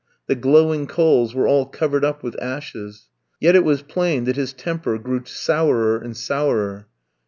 The glowing coals were all covered up with ashes. Yet it was plain that his temper grew sourer and sourer.